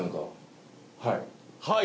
「はい」？